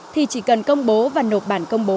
thì chỉ cần công bố và nộp bản công bố